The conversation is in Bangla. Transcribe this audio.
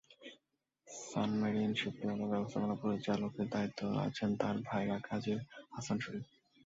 সানমেরিন শিপইয়ার্ডের ব্যবস্থাপনা পরিচালকের দায়িত্বে আছেন তাঁর ভায়রা কাজী হাসান শরীফ।